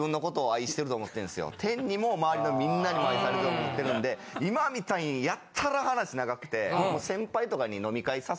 天にも周りのみんなにも愛されてると思ってるんで今みたいにやたら話長くて。